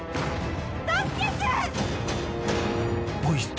助けて！